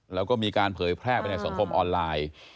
แล้วก็มีการเผยแพร่ไปในสังคมออนไลน์